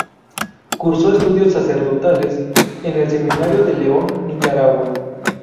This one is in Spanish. Cursó estudios sacerdotales en el seminario de León, Nicaragua.